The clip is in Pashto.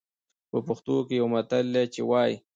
په پښتو کې يو متل دی چې وايي.